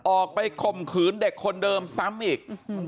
ออกไปคมขืนเด็กคนเดิมซ้ำอีก